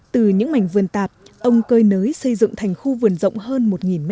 từ những mảnh vườn tạp ông cơi nới xây dựng thành khu vườn rộng hơn một m hai